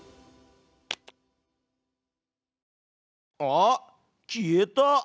あっ消えた！